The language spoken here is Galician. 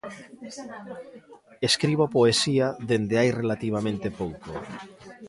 Escribo poesía dende hai relativamente pouco.